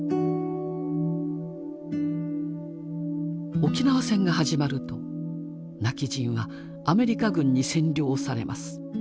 沖縄戦が始まると今帰仁はアメリカ軍に占領されます。